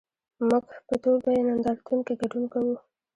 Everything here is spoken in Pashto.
موږ په دوبۍ نندارتون کې ګډون کوو؟